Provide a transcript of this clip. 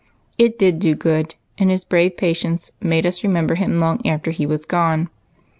It did do good, and his brave patience made us remember him long after he was gone.